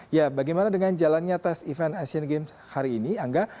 ya bagaimana dengan jalannya tes event asian games hari ini angga